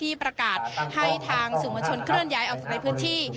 ที่ประกาศให้ทางสมชนเคลื่อนย้ายออกในพื้นที่